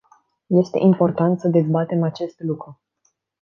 Este important să dezbatem acest lucru.